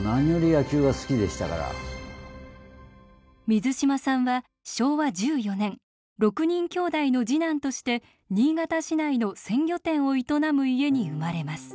水島さんは昭和１４年６人きょうだいの次男として新潟市内の鮮魚店を営む家に生まれます。